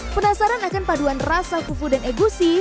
penasaran akan paduan rasa fufu dan egusi